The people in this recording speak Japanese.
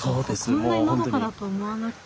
こんなにのどかだと思わなくて。